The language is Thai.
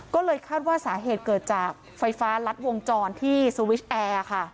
ก็เลยคาดว่าสาเหตุเกิดจากไฟฟ้ารัดวงจรที่สวิชแอร์ค่ะ